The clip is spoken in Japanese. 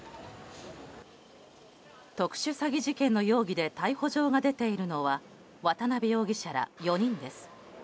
特殊詐欺事件の容疑で逮捕状が出ているのは渡邉容疑者ら４人です。